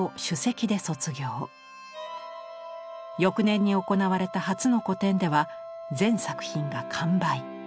翌年に行われた初の個展では全作品が完売。